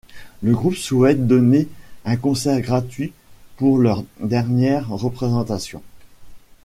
Le groupe souhaite donner un concert gratuit pour leur dernière représentation.